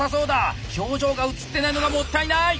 表情が映ってないのがもったいない！